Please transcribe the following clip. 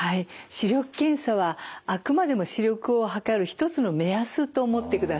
視力検査はあくまでも視力を測る一つの目安と思ってください。